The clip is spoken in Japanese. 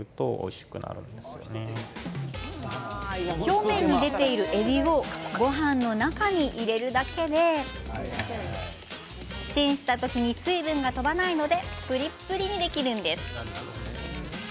表面に出ているえびをごはんの中に入れるだけでチンした時に水分が飛ばないのでプリップリにできるそうです。